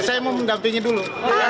saya mau mendampingi dulu